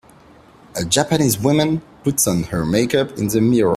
A japanese women puts on her makeup in the mirror.